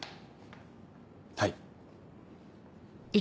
はい。